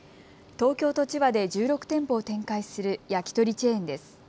東京と千葉で１６店舗を展開する焼き鳥チェーンです。